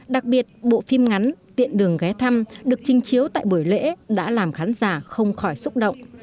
đặc biệt bộ phim ngắn tiện đường ghé thăm được trình chiếu tại buổi lễ đã làm khán giả không khỏi xúc động